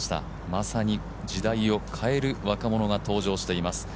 まさに時代を変える若者が登場しています。